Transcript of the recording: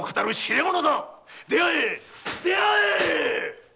出会え出会え！